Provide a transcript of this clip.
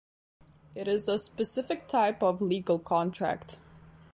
It is a specific type of legal contract.